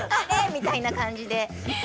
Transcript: みたいな感じで。